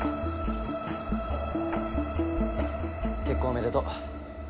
結婚おめでとう。